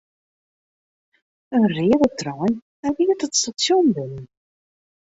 In reade trein ried it stasjon binnen.